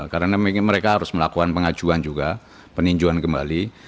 karena mereka harus melakukan pengajuan juga peninjuan kembali